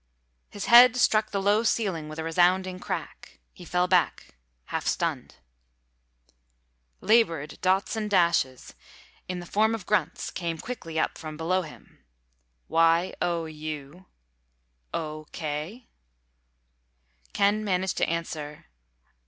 His head struck the low ceiling with a resounding crack. He fell back, half stunned. Labored dots and dashes, in the form of grunts, came quickly up from below him. "Y O U O K?" Ken managed to answer.